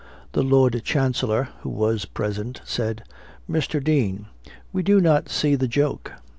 The Lord Chancellor, who was present, said, "Mr. Dean, we do not see the joke."